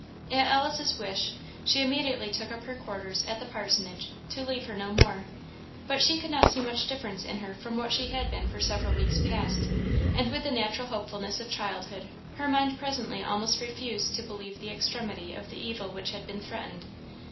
At Alice's wish, she immediately took up her quarters at the parsonage, to leave her no more. But she could not see much difference in her from what she had been for several weeks past; and with the natural hopefulness of childhood, her mind presently almost refused to believe the extremity of the evil which had been threatened.